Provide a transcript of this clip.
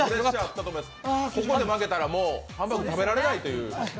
ここで負けたら、もうハンバーグ食べられない状況という。